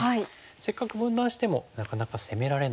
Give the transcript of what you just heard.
せっかく分断してもなかなか攻められない。